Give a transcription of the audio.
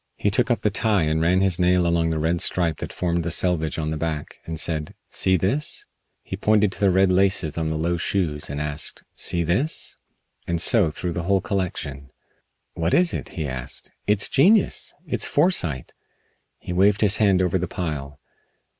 He took up the tie and ran his nail along the red stripe that formed the selvedge on the back, and said: "See this?" He pointed to the red laces of the low shoes and asked, "See this?" And so through the whole collection. "What is it?" he asked. "It's genius! It's foresight." He waved his hand over the pile.